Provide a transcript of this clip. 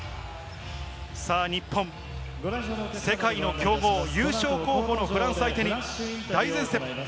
日本、世界の強豪、優勝候補のフランス相手に大善戦。